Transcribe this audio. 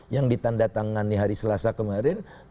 yang ditanda tangan di hari selasa kemarin